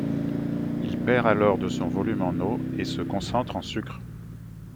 Il perd alors de son volume en eau et se concentre en sucre.